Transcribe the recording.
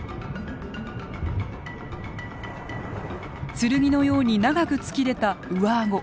剣のように長く突き出た上顎。